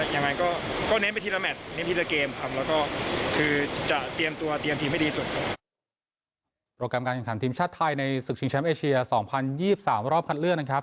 ยังไงก็เน้นไปทีละแมทเน้นไปทีละเกมครับแล้วก็คือจะเตรียมตัวเตรียมทีมให้ดีสุดครับ